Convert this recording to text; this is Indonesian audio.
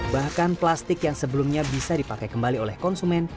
bahkan plastik yang sebelumnya bisa dipakai kembali oleh konsumen